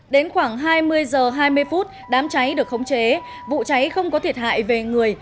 đến khoảng hai mươi h hai mươi phút đám cháy được khống chế vụ cháy không có thiệt hại về người